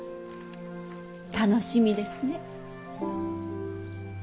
楽しみですね。